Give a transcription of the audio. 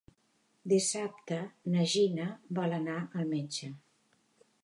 Dissabte na Gina vol anar al metge.